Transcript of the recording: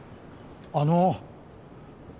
あの。